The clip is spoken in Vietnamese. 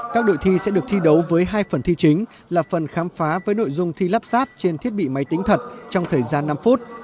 các đội thi sẽ được thi đấu với hai phần thi chính là phần khám phá với nội dung thi lắp ráp trên thiết bị máy tính thật trong thời gian năm phút